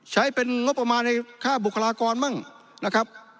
ใช้เป็นงบประมาณในค่าบุคลากรมั่งนะครับ